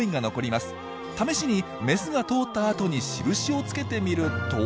試しにメスが通った跡に印をつけてみると。